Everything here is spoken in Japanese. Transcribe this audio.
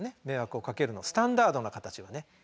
迷惑をかけるのスタンダードな形はね。